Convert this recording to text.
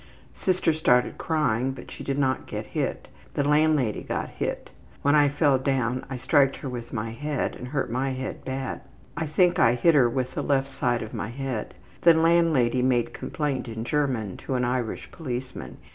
Sister started crying, but she did not get hit. The landlady got hit. When I fell down I striked her with my head and hurt my head bad. I think I hit her with the left side of my head. The landlady made complaint in German to an Irish policeman.